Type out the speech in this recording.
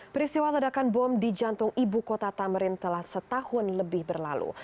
peristiwa ledakan bom di jantung ibu kota tamrin telah setahun lebih berlalu